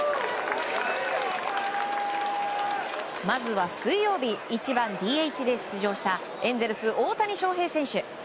まずは水曜日１番ＤＨで出場したエンゼルス、大谷翔平選手。